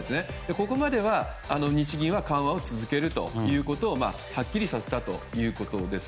ここまでは日銀は緩和を続けることをはっきりさせたということです。